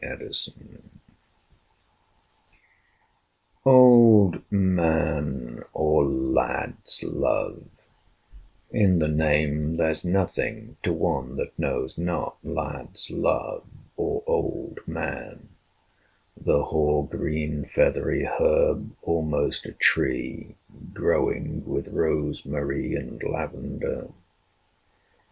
OLD MAN OLD Man, or Lad's love, in the name there's nothing To one that knows not Lad's love, or Old Man, The hoar green feathery herb, almost a tree, Growing with rosemary and lavender.